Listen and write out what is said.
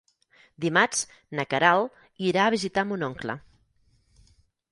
Dimarts na Queralt irà a visitar mon oncle.